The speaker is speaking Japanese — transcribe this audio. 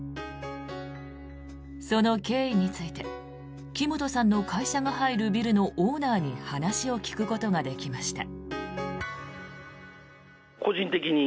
その経緯について木本さんの会社が入るビルのオーナーに話を聞くことができました。